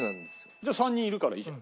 じゃあ３人いるからいいじゃん。